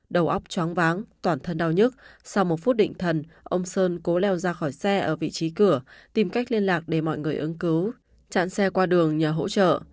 đầu óc choáng váng toàn thân đau nhức sau một phút định thần ông sơn cố leo ra khỏi xe ở vị trí cửa tìm cách liên lạc để mọi người ứng cứu chặn xe qua đường nhờ hỗ trợ